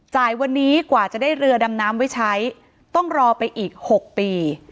จ่ายวันนี้กว่าจะได้เรือดำน้ำไว้ใช้ต้องรอไปอีก๖ปี